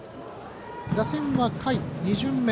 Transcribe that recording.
打線は下位２巡目。